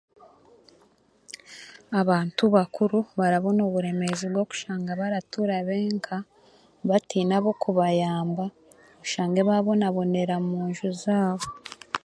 Abaantu bakuru barabona oburemezi bw'okushanga baratura b'enka batiine ab'okubayamba oshange babonabonera munju zaabo.